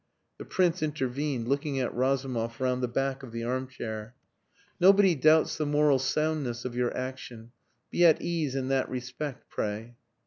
The Prince intervened, looking at Razumov round the back of the armchair. "Nobody doubts the moral soundness of your action. Be at ease in that respect, pray."